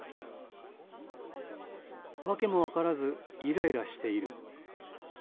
わけもわからずイライラしている。